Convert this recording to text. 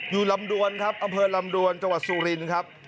ลำดวนครับอำเภอลำดวนจังหวัดสุรินครับ